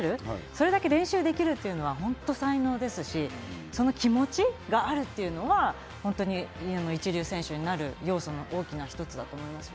それだけ練習できるというのは本当に才能ですし、その気持ちがあるっていうのは一流選手になる要素の大きな一つだと思います。